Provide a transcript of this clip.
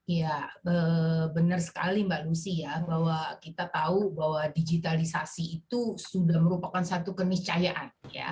ya benar sekali mbak lucy ya bahwa kita tahu bahwa digitalisasi itu sudah merupakan satu keniscayaan